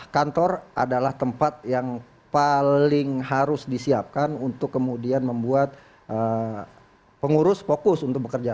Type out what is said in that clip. kantor adalah tempat yang paling harus disiapkan untuk kemudian membuat pengurus fokus untuk bekerja